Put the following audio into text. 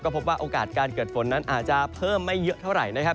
พบว่าโอกาสการเกิดฝนนั้นอาจจะเพิ่มไม่เยอะเท่าไหร่นะครับ